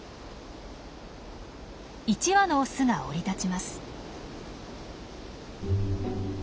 １羽のオスが降り立ちます。